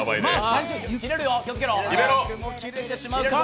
キレてしまうか？